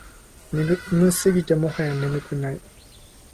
眠すぎてもはや眠くない